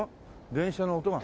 電車の音が。